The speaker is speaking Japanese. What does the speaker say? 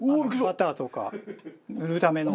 バターとか塗るための。